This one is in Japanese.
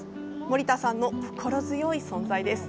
森田さんの心強い存在です。